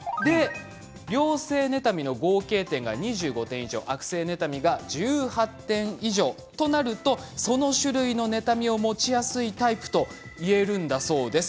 良性妬みの合計点が２５点以上悪性妬みが１８点以上となるとその種類の妬みを持ちやすいタイプといえるんだそうです。